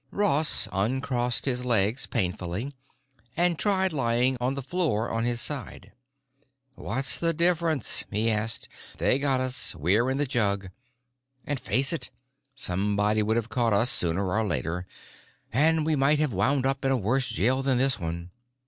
Ross uncrossed his legs painfully and tried lying on the floor on his side. "What's the difference?" he asked. "They got us; we're in the jug. And face it: somebody would have caught us sooner or later, and we might have wound up in a worse jail than this one."